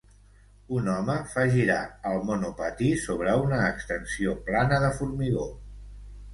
Un home fa girar el monopatí sobre una extensió plana de formigó.